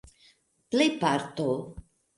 plejparto